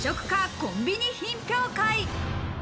コンビニ品評会。